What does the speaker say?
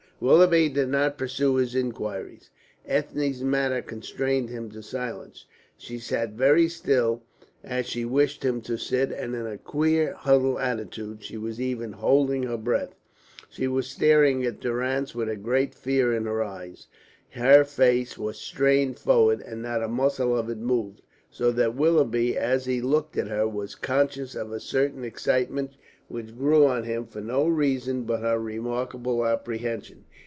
Willoughby did not pursue his inquiries. Ethne's manner constrained him to silence. She sat very still, still as she wished him to sit, and in a queer huddled attitude; she was even holding her breath; she was staring at Durrance with a great fear in her eyes; her face was strained forward, and not a muscle of it moved, so that Willoughby, as he looked at her, was conscious of a certain excitement, which grew on him for no reason but her remarkable apprehension.